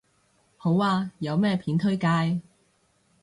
好啊，有咩片推介